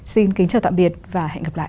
xin kính chào tạm biệt và hẹn gặp lại